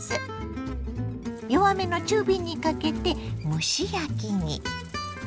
弱めの中火にかけて蒸し焼きに。